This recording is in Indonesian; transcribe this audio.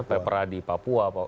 pepra di papua